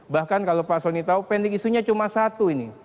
bahkan kalau pak soni tahu pending isunya cuma satu ini